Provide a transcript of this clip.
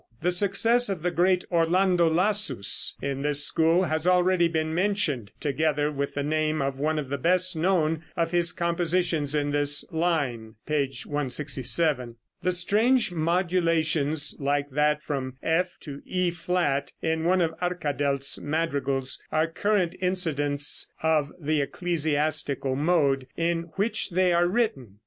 The success of the great Orlando Lassus in this school has already been mentioned, together with the name of one of the best known of his compositions in this line (p. 167). The strange modulations, like that from F to E flat in one of Arkadelt's madrigals, are current incidents of the ecclesiastical mode in which they are written.